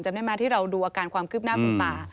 ได้ไหมที่เราดูอาการความคืบหน้าคุณตา